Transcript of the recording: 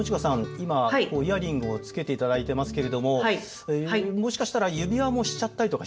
今イヤリングをつけていただいてますけれどももしかしたら指輪もしちゃったりとかしてます？